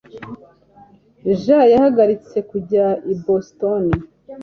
Jean yahagaritse kujya i Boston.